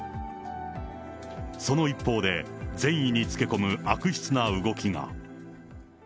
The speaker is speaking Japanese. その一方で、善意につけ込む悪質な動きが。